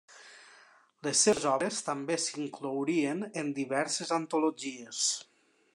Les seves obres també s'inclourien en diverses antologies.